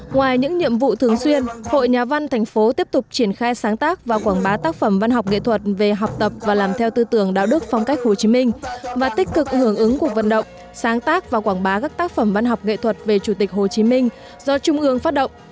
ngoài những nhiệm vụ thường xuyên hội nhà văn thành phố tiếp tục triển khai sáng tác và quảng bá tác phẩm văn học nghệ thuật về học tập và làm theo tư tưởng đạo đức phong cách hồ chí minh và tích cực hưởng ứng cuộc vận động sáng tác và quảng bá các tác phẩm văn học nghệ thuật về chủ tịch hồ chí minh do trung ương phát động